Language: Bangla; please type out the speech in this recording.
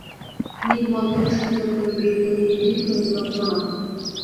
নির্মল তুমি, সুন্দর তুমি, বীর তুমি, নির্ভীক তুমি, তোমাকে প্রণাম!